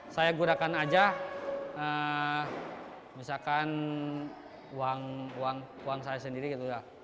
saya gunakan aja misalkan uang saya sendiri gitu ya